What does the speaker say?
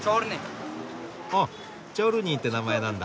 あチョルニーって名前なんだ。